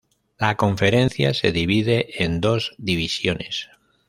La conferencia se divide en dos divisiones.